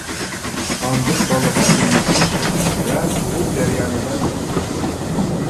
ئاندىن بالىغا ئېمىتىش ۋە تۇغۇت جەريانىدا يۇقىدۇ.